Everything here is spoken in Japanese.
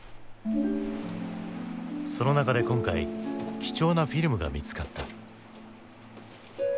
その中で今回貴重なフィルムが見つかった。